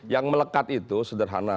yang melekat itu sederhana